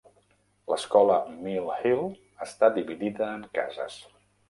L'escola Mill Hill està dividida en cases.